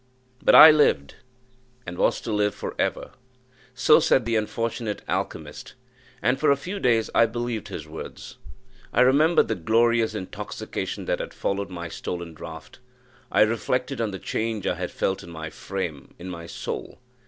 But I lived, and was to live for ever! So said the unfortunate alchymist, and for a few days I believed his words. I remembered the glorious intoxication that had followed my stolen draught. I reflected on the change I had felt in my frame in my soul.